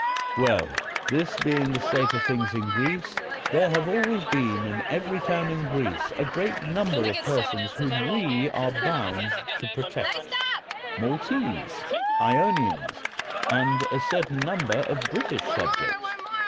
Well, this being the state of things in Greece, there have always been in every town in Greece a great number of persons whom we are bound to protect — Maltese, lonians, and a certain num ber of British subjects.